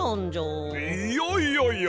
いやいやいや！